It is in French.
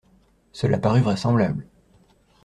Cela parut vraisemblable.